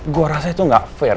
gue rasa itu gak fair